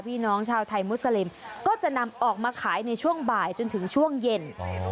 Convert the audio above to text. พี่น้องชาวไทยมุสลิมก็จะนำออกมาขายในช่วงบ่ายจนถึงช่วงเย็น